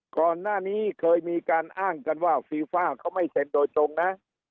ก่อนหน้านี้เคยมีการอ้างกันว่าฟีฟ่าเขาไม่เซ็นโดยตรงนะ